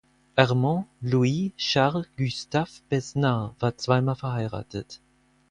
Armand Louis Charles Gustave Besnard war zwei Mal verheiratet.